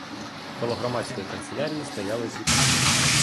Коло громадської канцелярії стояли дві купи.